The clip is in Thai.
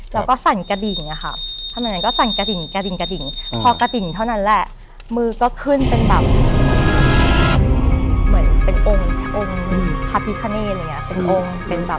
แล้วก็สั่นกระดิ่งอะค่ะถนนนั้นก็สั่นกระดิ่งกระดิ่งกระดิ่งพอกระดิ่งเท่านั้นแหละมือก็ขึ้นเป็นแบบเหมือนเป็นองค์องค์พระพิคเนตอะไรอย่างนี้เป็นองค์เป็นแบบ